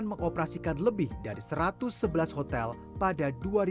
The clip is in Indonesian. mengoperasikan lebih dari satu ratus sebelas hotel pada dua ribu dua puluh